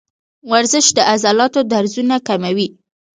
ورزش د عضلاتو درزونه کموي.